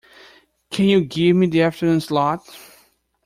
Can you give me the afternoon slot?